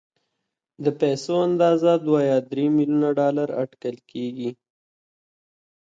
د پيسو اندازه دوه يا درې ميليونه ډالر اټکل کېږي.